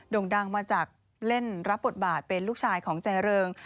่งดังมาจากเล่นรับบทบาทเป็นลูกชายของใจเริง